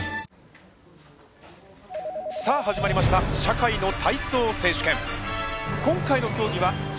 さあ始まりました「社会の体操選手権」。